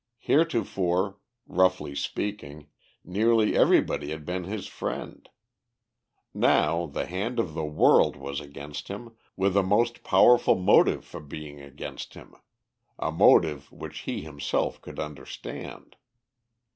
Heretofore, roughly speaking, nearly everybody had been his friend; now the hand of the world was against him, with a most powerful motive for being against him; a motive which he himself could understand.